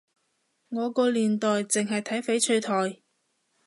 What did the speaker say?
我個年代淨係睇翡翠台